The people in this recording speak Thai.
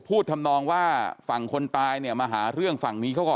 ทำนองว่าฝั่งคนตายเนี่ยมาหาเรื่องฝั่งนี้เขาก่อน